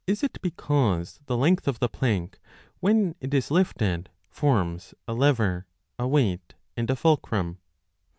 CHAPTER 1 6 853* because the length of the plank when it is lifted forms a lever, a weight, and a fulcrum